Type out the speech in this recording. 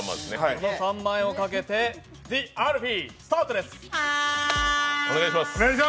この３万円をかけて「ＴＨＥＡＬＦＥＥ」スタートです。